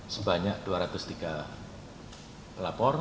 sebanyak dua ratus tiga pelapor